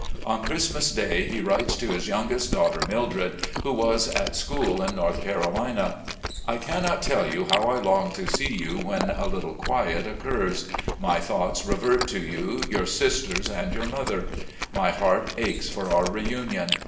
On Christmas Day he writes to his youngest daughter, Mildred, who was at school in North Carolina: "... I cannot tell you how I long to see you when a little qtuet occurs. My thoughts revert to you, your sisters, and your mother ; my heart aches for our reunion.